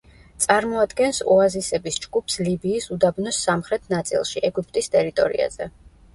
წარმოადგენს ოაზისების ჯგუფს ლიბიის უდაბნოს სამხრეთ ნაწილში, ეგვიპტის ტერიტორიაზე.